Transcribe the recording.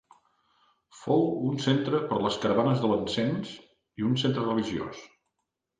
Fou un centre per les caravanes de l'encens i un centre religiós.